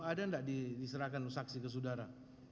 ada nggak diserahkan saksi ke saudara